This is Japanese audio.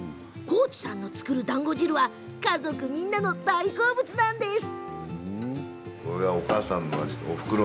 幸地さんの作るだんご汁は家族みんなの大好物です。